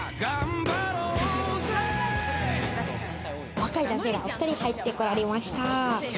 若い男性がお２人入ってこられました。